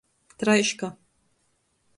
Traiška.